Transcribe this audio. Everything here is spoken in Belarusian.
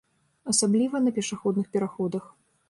Асабліва на пешаходных пераходах.